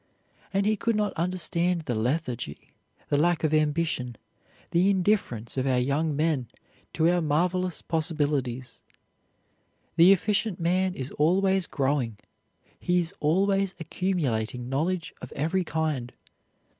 And he could not understand the lethargy, the lack of ambition, the indifference of our young men to our marvelous possibilities. The efficient man is always growing. He is always accumulating knowledge of every kind.